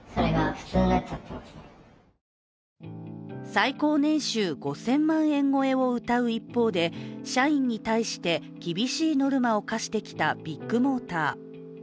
最高年収５０００万円超えをうたう一方で社員に対して厳しいノルマを課してきたビッグモーター。